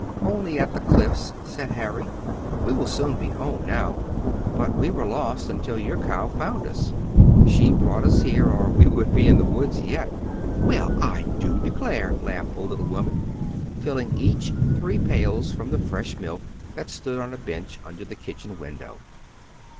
"Only at the Cliffs," said Harry. "We will soon he home now. But we were lost until your cow found us. She brought us here, or we would be in the woods yet." "Well, I do declare!" laughed the little woman, filling each of three pails from the fresh milk, that stood on a bench, under the kitchen window.